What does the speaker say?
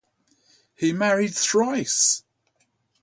He married thrice.